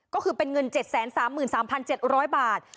ก็คือเป็นเงิน๗๓๓๗๐๐บาท